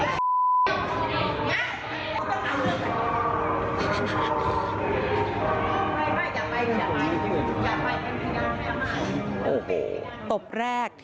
อ้าว